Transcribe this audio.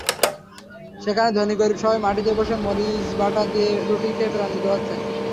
সেখানে ধনী-গরিব সবাই মাটিতে বসে মরিচবাটা দিয়ে রুটি খেয়ে প্রাণ জুড়াচ্ছেন।